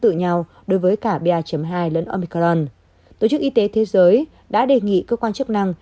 tự nhau đối với cả ba hai lẫn omicron tổ chức y tế thế giới đã đề nghị cơ quan chức năng